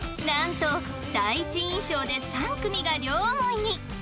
なんと第一印象で３組が両思いに